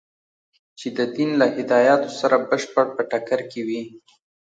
چې د دین له هدایاتو سره بشپړ په ټکر کې وي.